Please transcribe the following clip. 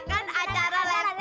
gantiin dia ya karena itu disana